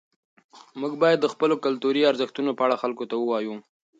موږ باید د خپلو کلتوري ارزښتونو په اړه خلکو ته ووایو.